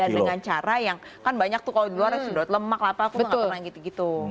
betul dan dengan cara yang kan banyak tuh kalau di luar sudah lemak lah aku nggak pernah gitu gitu